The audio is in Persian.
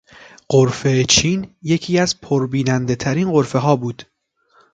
غرفهٔ چین یکی از پربینندهترین غرفهها بود.